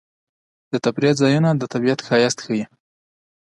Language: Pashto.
د تفریح ځایونه د طبیعت ښایست ښيي.